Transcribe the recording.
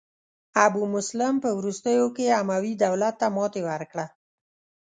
ابو مسلم په وروستیو کې اموي دولت ته ماتې ورکړه.